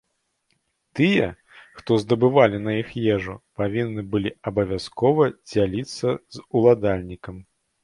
Тыя, хто здабывалі на іх ежу, павінны былі абавязкова дзяліцца з уладальнікам.